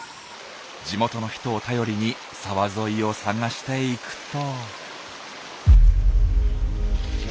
地元の人を頼りに沢沿いを探していくと。